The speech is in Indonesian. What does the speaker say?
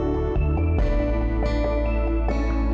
ibu pasti mau